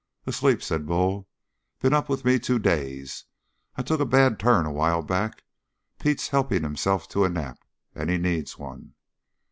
"Asleep," said Bull. "Been up with me two days. I took a bad turn a while back. Pete's helping himself to a nap, and he needs one!"